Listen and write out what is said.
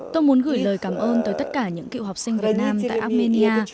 tôi muốn gửi lời cảm ơn tới tất cả những cựu học sinh việt nam tại armenia